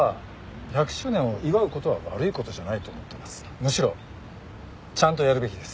むしろちゃんとやるべきです。